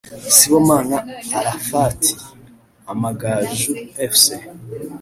Sibomana Arafati (Amagaju Fc)